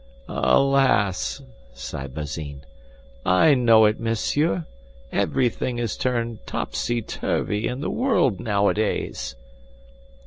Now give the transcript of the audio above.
"Alas!" sighed Bazin. "I know it, monsieur; everything is turned topsy turvy in the world nowadays."